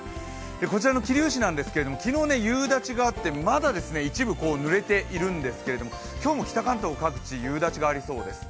こちらの桐生市は、昨日、夕立があって、まだ一部、ぬれているんですけど今日も北関東各地夕立がありそうです。